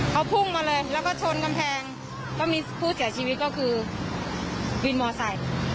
เขาพุ่งมาเลยแล้วก็ชนกำแพงก็มีผู้เสียชีวิตก็คือวินมอไซค์